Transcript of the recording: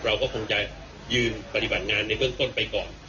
เราก็คงจะยืนปฏิบัติงานในเบื้องต้นไปก่อน